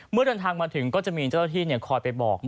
เมื่อเดินทางมาถึงก็จะมีเจ้าที่เนี้ยคอยไปบอก